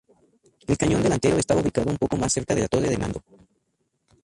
El cañón delantero estaba ubicado un poco más cerca de la torre de mando.